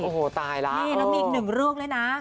โอ้โหตายแล้วนี่แล้วมีอีกหนึ่งเรื่องด้วยนะ